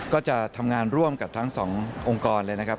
ก็จะทำงานร่วมกับทั้งสององค์กรเลยนะครับ